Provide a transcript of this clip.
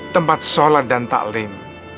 tempat sholat dan ta'lim